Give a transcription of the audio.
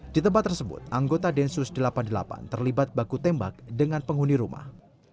di tempat tersebut anggota densus delapan puluh delapan terlibat baku tembak dengan penghuni rumah